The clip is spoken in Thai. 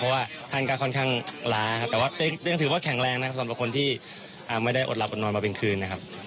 เพราะว่าท่านก็ค่อนข้างล้าครับแต่ว่ายังถือว่าแข็งแรงนะครับสำหรับคนที่ไม่ได้อดหลับอดนอนมาเป็นคืนนะครับ